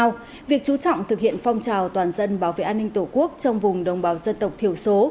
vì sao việc chú trọng thực hiện phong trào toàn dân bảo vệ an ninh tổ quốc trong vùng đồng bào dân tộc thiểu số